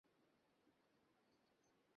অনুসন্ধান করিয়া তাহার বাসা জানিলাম।